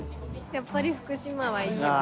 やっぱり福島はいいよね。